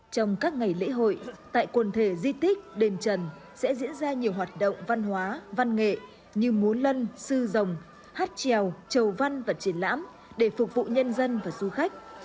trong các ngày lễ hội tại quần thể di tích đền trần sẽ diễn ra nhiều hoạt động văn hóa văn nghệ như múa lân sư rồng hát trèo trầu văn và triển lãm để phục vụ nhân dân và du khách